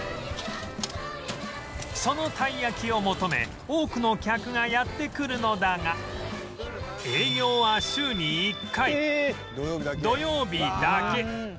そのたいやきを求め多くの客がやって来るのだが営業は週に１回土曜日だけ